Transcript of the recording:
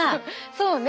そうね。